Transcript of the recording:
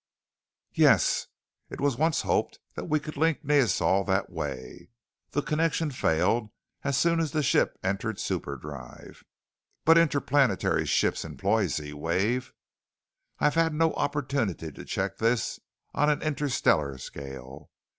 "Yes. It was once hoped that we could link to Neosol that way. The connection failed as soon as the ship entered superdrive." "But interplanetary ships employ Z wave." "I have had no opportunity to check this on an interstellar scale.